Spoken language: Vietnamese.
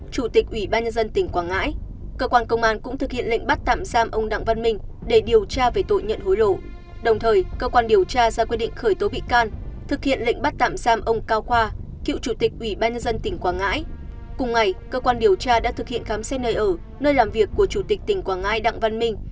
cùng ngày cơ quan điều tra đã thực hiện khám xét nơi ở nơi làm việc của chủ tịch tỉnh quảng ngãi đặng văn minh